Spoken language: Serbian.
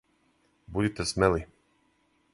Будите смели.